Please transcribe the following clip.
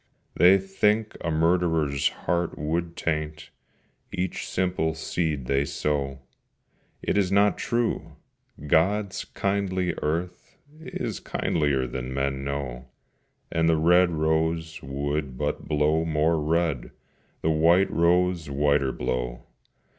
They think a murderer's heart would taint Each simple seed they sow. It is not true! God's kindly earth Is kindlier than men know, And the red rose would but blow more red, The white rose whiter blow.